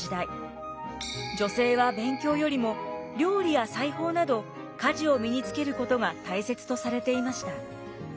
女性は勉強よりも料理や裁縫など家事を身につけることが大切とされていました。